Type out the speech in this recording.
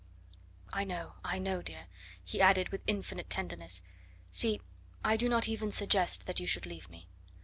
I know I know, dear," he added with infinite tenderness. "See I do not even suggest that you should leave me.